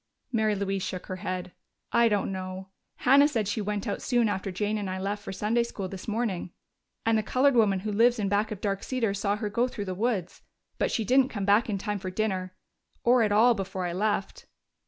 Mary Louise shook her head. "I don't know. Hannah said she went out soon after Jane and I left for Sunday school this morning, and the colored woman who lives in back of Dark Cedars saw her go through the woods. But she didn't come back in time for dinner or at all, before I left."